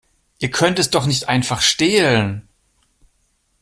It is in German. Ihr könnt es doch nicht einfach stehlen!